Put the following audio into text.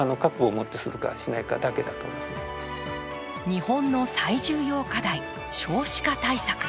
日本の最重要課題、少子化対策。